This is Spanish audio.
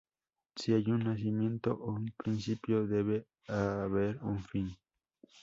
Si hay un nacimiento, o un principio, debe haber un fin.